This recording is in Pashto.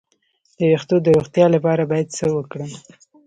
د ویښتو د روغتیا لپاره باید څه وکړم؟